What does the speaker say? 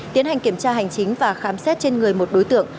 tiến hành kiểm tra hành chính và khám xét trên người một đối tượng